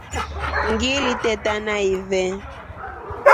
Ngili teta na ifee.